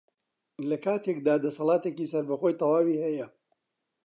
لەکاتێکدا دەسەڵاتێکی سەربەخۆی تەواوی هەیە